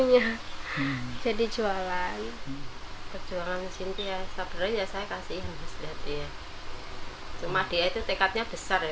ya kayak berarti ya yang cuman deh itu cekanya besar ya